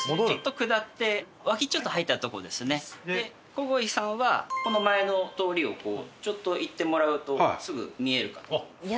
こごいさんはこの前の通りをこうちょっと行ってもらうとすぐ見えるかと思います。